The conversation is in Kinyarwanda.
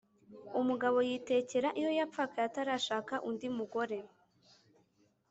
umugabo yitekera iyo yapfakaye atarashaka undi mugore